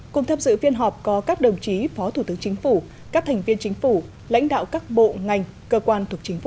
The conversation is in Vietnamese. cùng thấp dự phiên họp có các đồng chí phó thủ tướng chính phủ các thành viên chính phủ lãnh đạo các bộ ngành cơ quan thuộc chính phủ